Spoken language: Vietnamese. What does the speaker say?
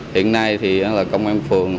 hiện nay công an phường